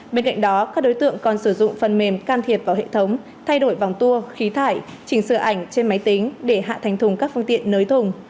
bên cạnh đó các đối tượng còn sử dụng phần mềm can thiệp vào hệ thống thay đổi vòng tua khí thải chỉnh sửa ảnh trên máy tính để hạ thành thùng các phương tiện nới thùng